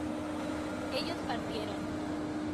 ellos partieron